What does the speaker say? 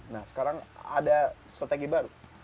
nah sekarang ada strategi baru